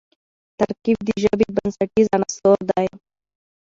ترکیب د ژبي بنسټیز عنصر دئ.